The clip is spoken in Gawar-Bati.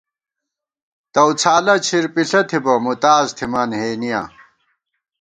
تَؤڅھالہ چھِر پِݪہ تھِبہ ، مُوتاز تھِمان ہېنِیاں